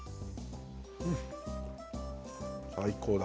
最高だ。